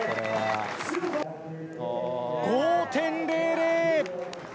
５．００。